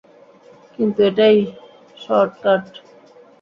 কিন্তু এটাই শর্টকাট।